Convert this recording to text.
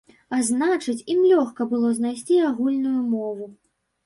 А значыць, ім лёгка было знайсці агульную мову.